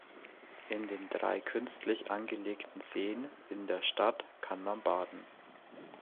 In den drei künstlich angelegten Seen in der Stadt kann man baden.